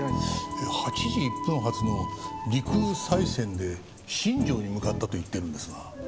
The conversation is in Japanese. ８時１分発の陸羽西線で新庄に向かったと言ってるんですが。